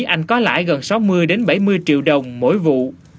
anh có lãi gần sáu mươi bảy mươi triệu đồng mỗi vụ